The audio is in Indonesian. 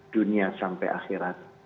dunia sampai akhirat